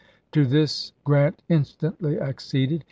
To this Grant instantly acceded.